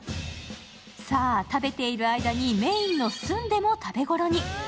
さあ食べている間にメインのスンデも食べ頃に。